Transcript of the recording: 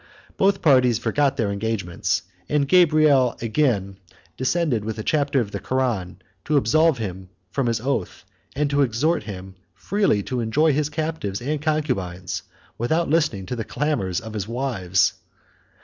Both parties forgot their engagements; and Gabriel again descended with a chapter of the Koran, to absolve him from his oath, and to exhort him freely to enjoy his captives and concubines, without listening to the clamors of his wives.